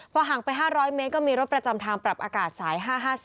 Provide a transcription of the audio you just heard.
ห่างไป๕๐๐เมตรก็มีรถประจำทางปรับอากาศสาย๕๕๔